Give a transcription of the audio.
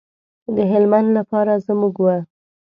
د هلمند لپاره زموږ و.